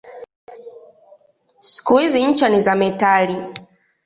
Siku hizi ncha ni za metali.